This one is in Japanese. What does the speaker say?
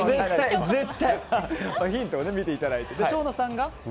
ヒントを見ていただいてね。